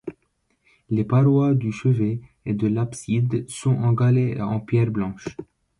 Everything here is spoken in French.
Les parois du chevet et de l'abside sont en galets et en pierres blanches.